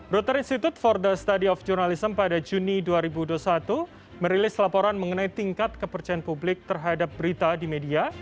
router institute for the study of journalism pada juni dua ribu dua puluh satu merilis laporan mengenai tingkat kepercayaan publik terhadap berita di media